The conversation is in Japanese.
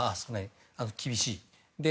厳しい。